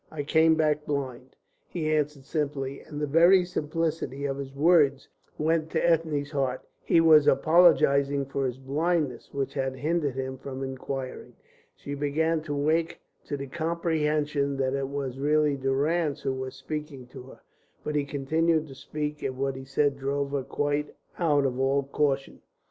I came back blind," he answered simply, and the very simplicity of his words went to Ethne's heart. He was apologising for his blindness, which had hindered him from inquiring. She began to wake to the comprehension that it was really Durrance who was speaking to her, but he continued to speak, and what he said drove her quite out of all caution.